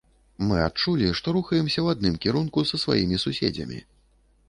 Мы адчулі, што рухаемся ў адным кірунку са сваімі суседзямі.